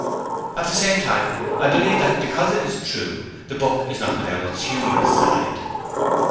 At the same time I believe that because it is true the book is not without its humorous side.